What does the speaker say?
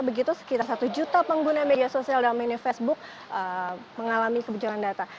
begitu sekitar satu juta pengguna media sosial dalam ini facebook mengalami kebocoran data